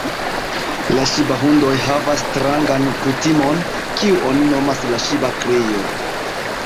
La ŝiba-hundoj havas strangan kutimon, kiu oni nomas la ŝiba-krio.